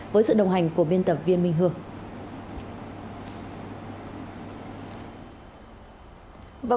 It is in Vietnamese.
với sự đồng hành của biên tập viên minh hương